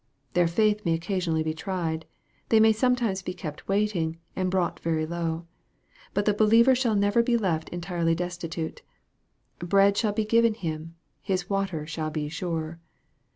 Their faith may occasionally be tried. They may sometimes be kept waiting, and be brought very low. But the believer shall never be left entirely destitute, " Bread shall be given him ; his water shall be sure."